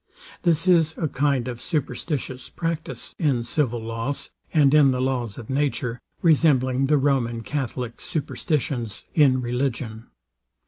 This is a kind of superstitious practice in civil laws, and in the laws of nature, resembling the Roman catholic superstitions in religion.